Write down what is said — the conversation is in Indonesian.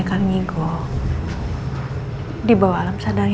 aku gak bisa ketemu mama lagi